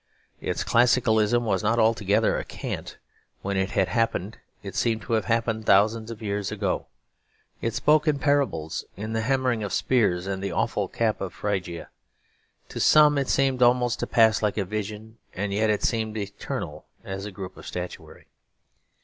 Its classicalism was not altogether a cant. When it had happened it seemed to have happened thousands of years ago. It spoke in parables; in the hammering of spears and the awful cap of Phrygia. To some it seemed to pass like a vision; and yet it seemed eternal as a group of statuary.